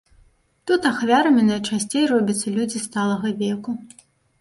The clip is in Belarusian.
Тут ахвярамі найчасцей робяцца людзі сталага веку.